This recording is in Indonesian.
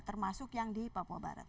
termasuk yang di papua barat